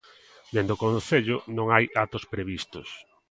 Dende o Concello non hai actos previstos.